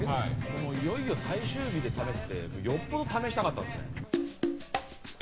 いよいよ最終日で試すってよっぽど試したかったんですね。